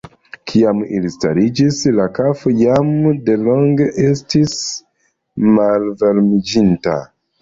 Kiam ili stariĝis, la kafo jam delonge estis malvarmiĝinta.